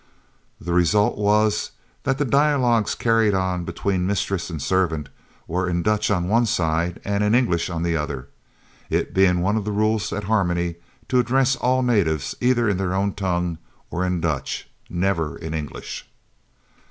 The result was that the dialogues carried on between mistresses and servant were in Dutch on one side and in English on the other, it being one of the rules at Harmony to address all natives either in their own tongue or in Dutch, never in English.